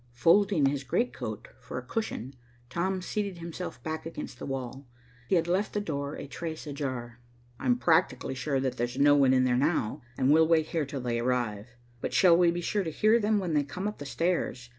Folding his great coat for a cushion, Tom seated himself back against the wall. He had left the door a trace ajar. "I'm practically sure that there's no one in there now, and we'll wait here till they arrive. We shall be sure to hear them when they come up the stairs.